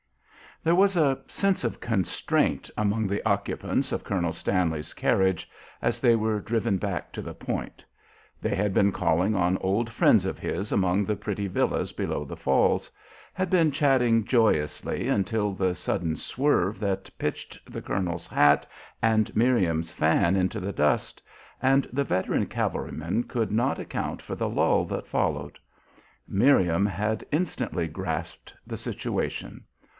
There was a sense of constraint among the occupants of Colonel Stanley's carriage as they were driven back to the Point. They had been calling on old friends of his among the pretty villas below the Falls; had been chatting joyously until that sudden swerve that pitched the colonel's hat and Miriam's fan into the dust, and the veteran cavalryman could not account for the lull that followed. Miriam had instantly grasped the situation.